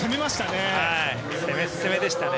攻め攻めでしたね。